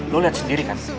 lo lihat sendiri kan